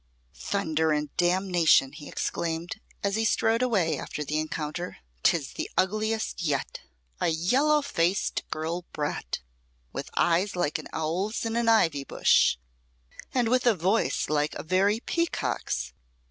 "Thunder and damnation!" he exclaimed, as he strode away after the encounter; "'tis the ugliest yet. A yellow faced girl brat, with eyes like an owl's in an ivy bush, and with a voice like a very peacocks.